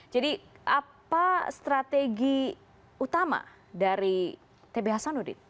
jadi apa strategi utama dari tb hasan udit